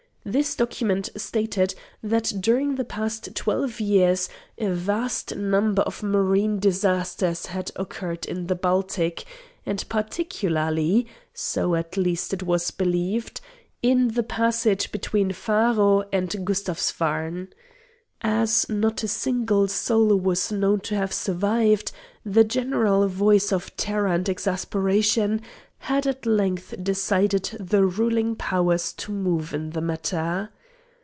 This document stated that during the past twelve years a vast number of maritime disasters had occurred in the Baltic, and particularly (so, at least, it was believed) in the passage between Faro and Gustavsvarn. As not a single soul was known to have survived, the general voice of terror and exasperation had at length decided the ruling powers to move in the matter.